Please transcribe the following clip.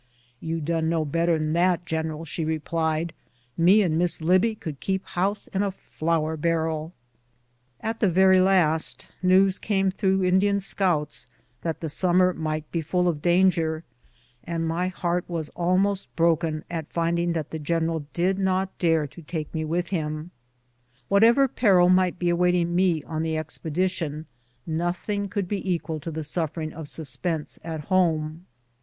" You dun' know better'n that, giniral V^ she re plied ;" me and Miss Libbie could keep house in a flour barr'l." 183 BOOTS AND SADDLES. At tlie very last, news came through Indian scouts that the summer might be full of danger, and my heart was almost broken at finding that the general did not dare to take me with him. Whatever peril might be awaiting me on the expedition, nothing could be equal to the suffering of suspense at home.